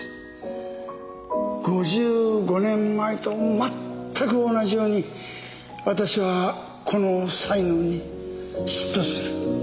５５年前とまったく同じように私はこの才能に嫉妬する。